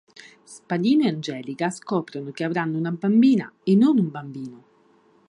Spadino e Angelica scoprono che avranno una bambina e non un bambino.